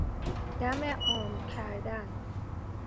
دم عام کردن